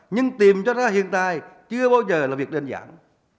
nhưng tìm cho ra hiện tại chưa bao giờ là việc đơn giản